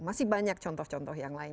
masih banyak contoh contoh yang lain